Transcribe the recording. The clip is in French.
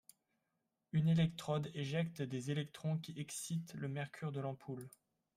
Une électrode éjecte des électrons, qui excitent le mercure de l'ampoule.